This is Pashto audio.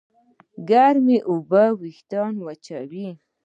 ګرمې اوبه وېښتيان وچوي.